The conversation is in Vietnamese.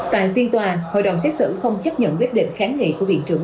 tại viên tòa hội đồng xét xử không chấp nhận quyết định kháng nghị của vị trưởng